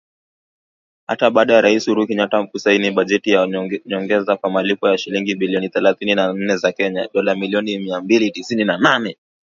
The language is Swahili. Hata baada ya Rais Uhuru Kenyatta kusaini bajeti ya nyongeza kwa malipo ya shilingi bilioni thelathini na nne za Kenya (dola milioni mia mbili tisini na nane)